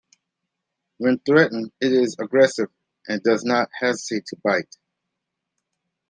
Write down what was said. When threatened, it is aggressive and does not hesitate to bite.